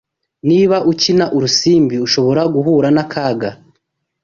Niba ukina urusimbi ushobora guhura nakaga